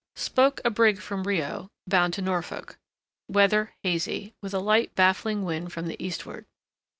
Spoke a brig from Rio, bound to Norfolk. Weather hazy, with a light baffling wind from the eastward.